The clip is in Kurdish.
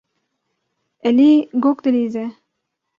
Elî gog dileyîze.